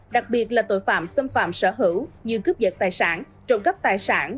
đặc biệt là tội phạm xâm phạm sở hữu như cướp dật tài sản trộm cắp tài sản